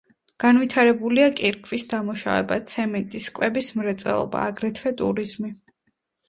განვითარებულია კირქვის დამუშავება, ცემენტის, კვების მრეწველობა, აგრეთვე ტურიზმი.